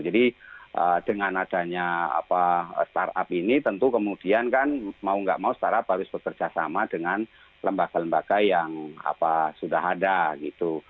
jadi dengan adanya startup ini tentu kemudian kan mau nggak mau startup harus bekerjasama dengan lembaga lembaga yang sudah ada gitu